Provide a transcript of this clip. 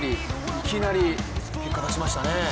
いきなり結果出しましたね。